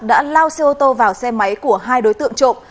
đã lao xe ô tô vào xe máy của hai đối tượng trộm